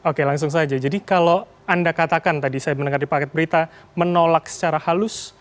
oke langsung saja jadi kalau anda katakan tadi saya mendengar di paket berita menolak secara halus